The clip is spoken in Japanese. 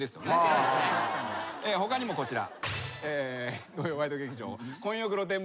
他にもこちら。